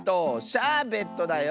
「シャーベット」だよ！